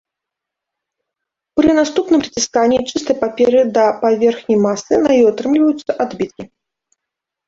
Пры наступным прыцісканні чыстай паперы да паверхні масы на ёй атрымліваюцца адбіткі.